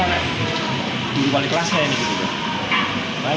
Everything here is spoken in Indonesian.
guru wali kelasnya ini